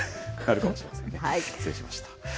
失礼しました。